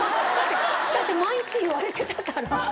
だって毎日言われてたから。